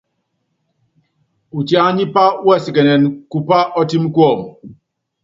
Utiánipá wɛsikɛnɛn bupá ɔtɛ́m kuɔmb.